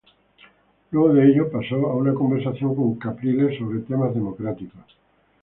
Luego de ello, pasó a una conversación con Capriles sobre temas democráticos.